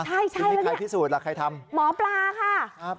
ใช่ใครที่สูญล่ะใครทำหมอปลาค่ะครับ